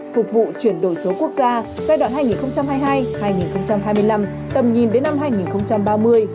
phục vụ chuyển đổi số quốc gia giai đoạn hai nghìn hai mươi hai hai nghìn hai mươi năm tầm nhìn đến năm hai nghìn ba mươi